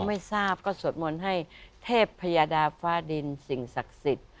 ไม่ทราบก็สวดมนต์ให้เทพพยาดาฟ้าดินสิ่งศักดิ์สิทธิ์